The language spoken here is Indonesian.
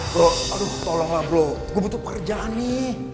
bro aduh tolonglah bro gue butuh pekerjaan nih